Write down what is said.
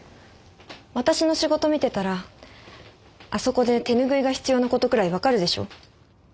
私の仕事見てたらあそこで手拭いが必要なことくらい分かるでしょ？